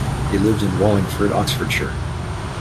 He lived in Wallingford, Oxfordshire.